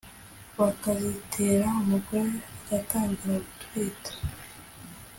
bakazitera umugore agatangira gutwita